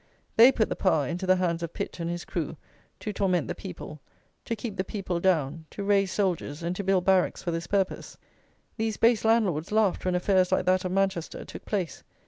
They put the power into the hands of Pitt and his crew to torment the people; to keep the people down; to raise soldiers and to build barracks for this purpose. These base landlords laughed when affairs like that of Manchester took place.